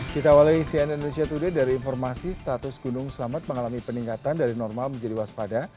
kita awali cnn indonesia today dari informasi status gunung selamat mengalami peningkatan dari normal menjadi waspada